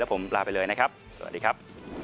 ผมลาไปเลยนะครับสวัสดีครับ